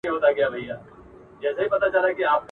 د ا یوازي وه په کټ کي نیمه شپه وه ..